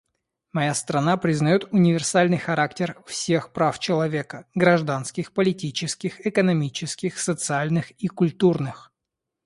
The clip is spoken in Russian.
Моя страна признает универсальный характер всех прав человека — гражданских, политических, экономических, социальных и культурных.